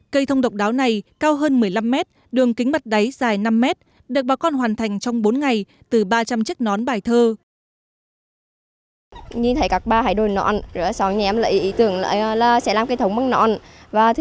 cây thông độc đáo này cao hơn một mươi năm mét đường kính mặt đáy dài năm mét được bà con hoàn thành trong bốn ngày từ ba trăm linh chiếc nón bài thơ